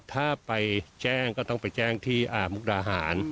ถ้าไปแจ้งก็ต้องไปแจ้งที่มุกดาหาร